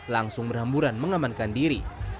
langsung berhamburan mengamankan diri